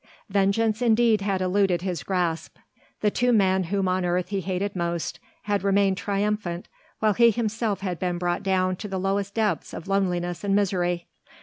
Vengeance indeed had eluded his grasp. The two men whom on earth he hated most had remained triumphant while he himself had been brought down to the lowest depths of loneliness and misery.